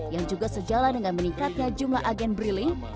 yang juga sejalan dengan meningkatnya jumlah agen bri link